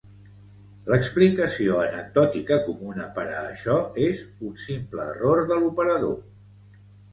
L'explicació anecdòtica comuna per a això és un simple error de l'operador.